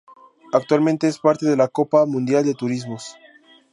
Actualmente es parte de la Copa Mundial de Turismos.